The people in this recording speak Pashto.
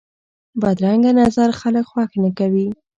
بدرنګه نظر خلک خوښ نه کوي